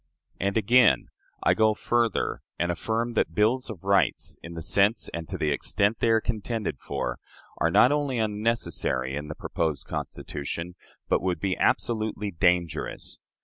And again: "I go further, and affirm that bills of rights, in the sense and to the extent they are contended for, are not only unnecessary in the proposed Constitution, but would be absolutely dangerous.